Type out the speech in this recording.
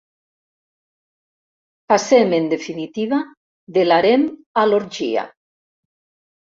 Passem, en definitiva, de l'harem a l'orgia.